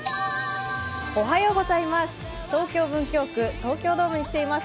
東京・文京区東京ドームに来ています。